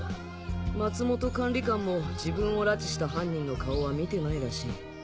松本管理官も自分を拉致した犯人の顔は見てないらしい。